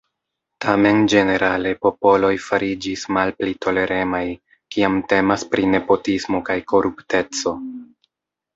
Tamen ĝenerale popoloj fariĝis malpli toleremaj, kiam temas pri nepotismo kaj korupteco.